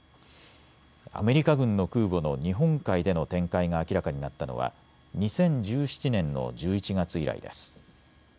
アメリカ軍の空母の日本海での展開が明らかになったのは２０１７年の１１月以来です。